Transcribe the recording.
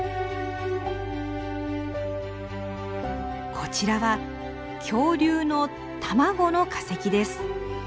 こちらは恐竜の卵の化石です。